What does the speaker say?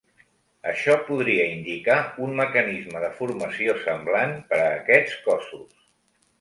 Això podria indicar un mecanisme de formació semblant per a aquests cossos.